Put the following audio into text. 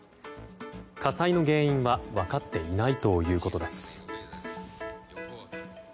火災の原因は分かっていないということです。